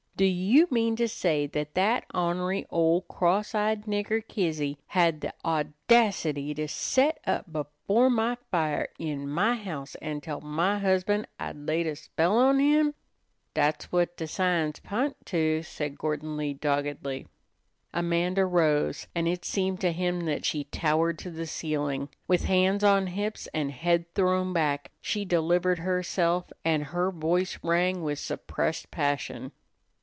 Do you mean to say that that honery old cross eyed nigger Kizzy had the audacity to set up before my fire, in my house, an' tell my husband I'd laid a spell on him?" "Dat's whut de signs p'int to," said Gordon Lee, doggedly. Amanda rose, and it seemed to him that she towered to the ceiling. With hands on hips and head thrown back, she delivered herself, and her voice rang with suppressed passion.